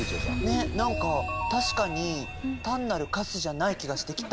ねっ何か確かに単なるカスじゃない気がしてきた。